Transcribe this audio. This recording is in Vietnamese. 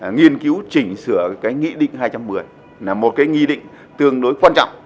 nghiên cứu chỉnh sửa cái nghị định hai trăm một mươi là một cái nghị định tương đối quan trọng